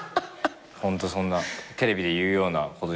ホントそんなテレビで言うようなことじゃないですけど。